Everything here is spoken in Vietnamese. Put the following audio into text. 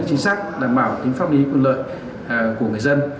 chính xác là bảo tính pháp lý quân lợi của người dân